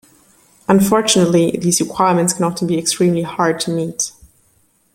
Unfortunately, these requirements can often be extremely hard to meet.